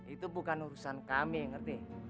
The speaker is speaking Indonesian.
itu bukan urusan kami ngerti